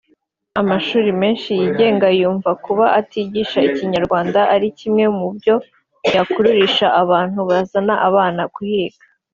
amashuri menshi yigenga yumva kuba atigisha ikinyarwanda ari kimwe mu byo yakurutisha abantu bazana abana kuhiga